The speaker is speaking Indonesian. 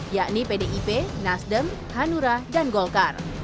yakni pdip nasdem hanura dan golkar